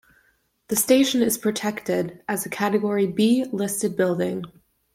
The station is protected as a category B listed building.